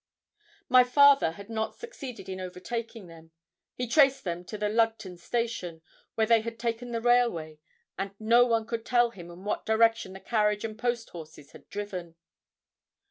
My father had not succeeded in overtaking them. He traced them to the Lugton Station, where they had taken the railway, and no one could tell him in what direction the carriage and posthorses had driven.